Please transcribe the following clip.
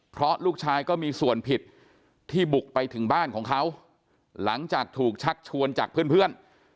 เพราะลูกชายก็มีส่วนผิดที่บุกไปถึงบ้านของเขาหลังจากถูกชักชวนจากเพื่อน